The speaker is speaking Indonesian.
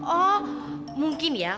oh mungkin ya